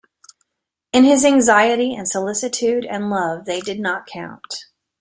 In his anxiety and solicitude and love they did not count.